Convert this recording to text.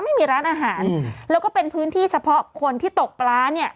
ไม่มีร้านอาหารแล้วก็เป็นพื้นที่เฉพาะคนที่ตกปลาเนี่ย